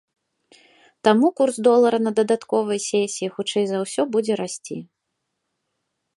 Таму курс долара на дадатковай сесіі, хутчэй за ўсё, будзе расці.